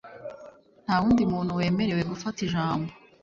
Nta wundi muntu wemerewe gufata ijambo